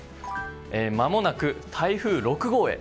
まもなく台風６号へ。